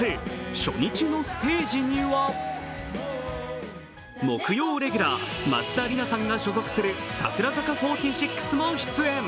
初日のステージには木曜レギュラー松田里奈さんが所属する櫻坂４６も出演。